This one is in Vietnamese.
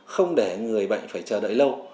không để người bệnh phải chờ đợi lâu